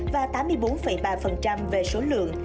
và tám mươi bốn ba về số lượng